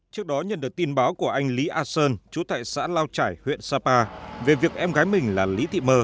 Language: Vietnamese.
trước đó nhận được tin báo của anh lý a sơn chú tại xã lao trải huyện sapa về việc em gái mình là lý thị mơ